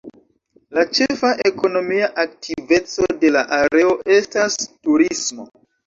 La ĉefa ekonomia aktiveco de la areo estas turismo.